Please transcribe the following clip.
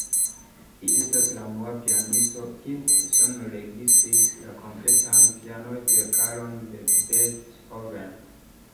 Li estas la unua pianisto, kiu sonregistris la kompletan piano-verkaron de Beethoven.